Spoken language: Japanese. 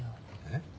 えっ？